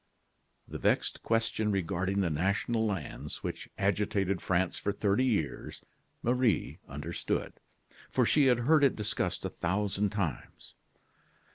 The vexed question regarding the national lands, which agitated France for thirty years, Marie understood, for she had heard it discussed a thousand times.